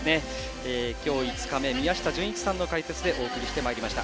今日５日目宮下純一さんの解説でお送りしてまいりました。